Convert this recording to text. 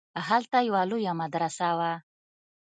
هلته يوه لويه مدرسه وه.